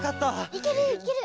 いけるいける！